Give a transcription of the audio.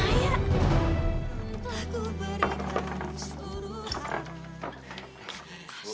laku berikan suruhan